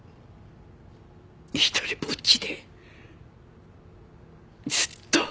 独りぼっちでずっと。